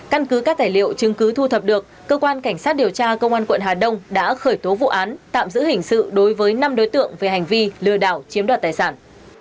căn cứ các tài liệu chứng cứ thu thập được cơ quan cảnh sát điều tra công an quận hà đông đã khởi tố vụ án tạm giữ hình sự đối với năm đối tượng về hành vi lừa đảo chiếm đoạt tài sản